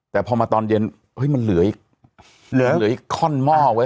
แต่พอมาตอนเย็นมันเหลืออีกเหลืออีกข้อนหม้อไว้